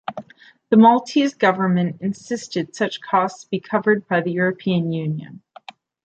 The Maltese government insisted such costs be covered by the European Union.